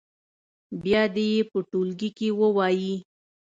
بیا دې یې په ټولګي کې ووایي.